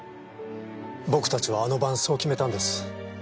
僕たちはあの晩そう決めたんです。